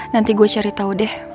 nanti gue cari tahu deh